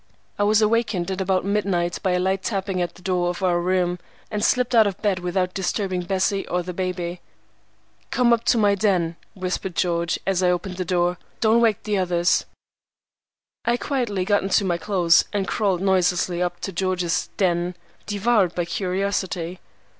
I was awakened at about midnight by a light tapping at the door of our room, and slipped out of bed without disturbing Bessie or the baby. "Come up to my den!" whispered George, as I opened the door. "Don't wake the others." I quietly got into my clothes and crawled noiselessly up to George's "den," devoured by curiosity.